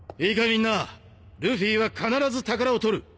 みんなルフィは必ず宝を取る。